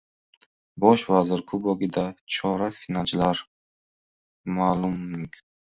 “Bosh vazir kubogi”da chorak finalchilar ma’lumng